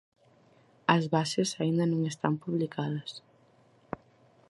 As bases aínda non están publicadas.